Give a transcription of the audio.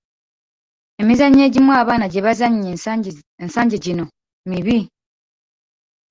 Emizannyo egimu abaana gye bazannya ensangi gino mibi.